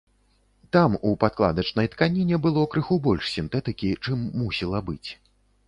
Там у падкладачнай тканіне было крыху больш сінтэтыкі, чым мусіла быць.